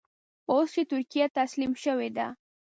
اوس چې ترکیه تسلیم شوې ده.